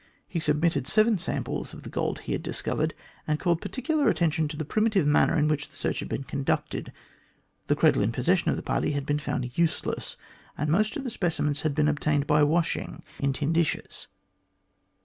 He submitted seven samples of the gold he had discovered, and called particular attention to the primitive manner in which the search had been conducted. The cradle in the possession of the party had been found useless, and most of the speci mens had been obtained by washing in tin dishes.